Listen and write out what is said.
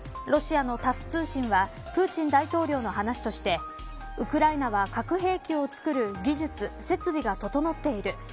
ロシアのタス通信はプーチン大統領の話としてウクライナは、核兵器を作る技術、設備が整っている。